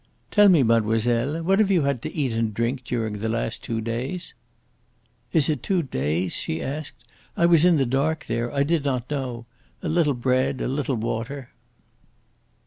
"Tell me, mademoiselle, what have you had to eat and drink during the last two days?" "Is it two days?" she asked. "I was in the dark there. I did not know. A little bread, a little water."